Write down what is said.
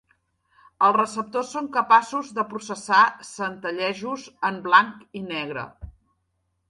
Els receptors són capaços de processar centellejos en blanc i negre.